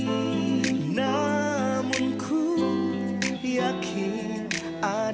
untuk kita bersama